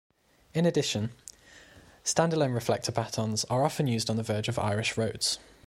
In addition, standalone reflector batons are often used on the verge of Irish roads.